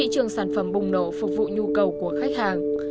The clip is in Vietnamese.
cây gà bùng nổ phục vụ nhu cầu của khách hàng